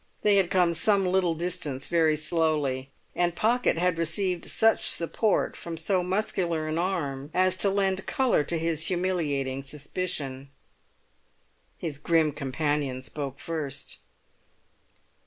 They had come some little distance very slowly, and Pocket had received such support from so muscular an arm as to lend colour to his humiliating suspicion. His grim companion spoke first.